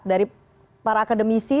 dari para akademisi